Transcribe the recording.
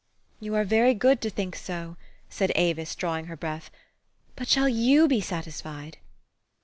" You are very good to think so," said Avis, draw ing her breath. " But shall you be satisfied?